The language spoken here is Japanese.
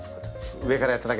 上からやっただけ。